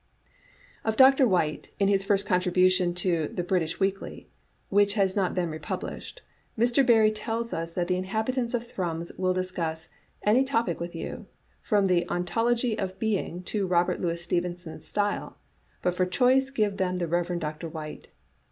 Of Dr. Whyte, in his first contribution to The British Weekly (which has not been republished), Mr. Barrie tells us that the inhabitants of Thrums will discuss any topic with you, from the ontology of being to Robert Louis Stevenson's style, but for choice give them the Rev. Dr. Whyte.